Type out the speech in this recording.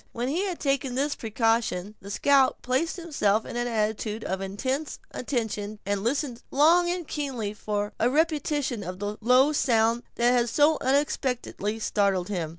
When he had taken this precaution, the scout placed himself in an attitude of intense attention and listened long and keenly for a repetition of the low sound that had so unexpectedly startled him.